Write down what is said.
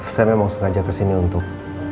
saya memang sengaja ke sini untuk